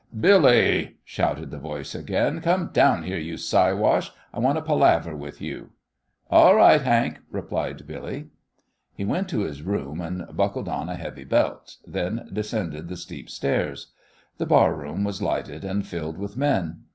"Billy!" shouted the voice again, "come down here, you Siwash. I want to palaver with you!" "All right, Hank," replied Billy. He went to his "room," and buckled on a heavy belt; then descended the steep stairs. The bar room was lighted and filled with men.